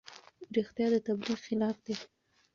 رښتیا د تبلیغ خلاف دي.